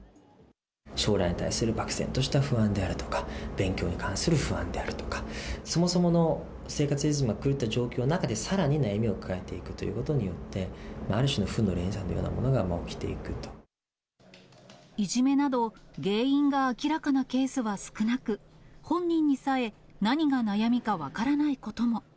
将来に対する漠然とした不安であるとか、勉強に関する不安であるとか、そもそもの生活リズムが狂った状況の中で、さらに悩みを抱えていくということによって、ある種の負の連鎖のいじめなど、原因が明らかなケースは少なく、本人にさえ、何が悩みか分からないことも。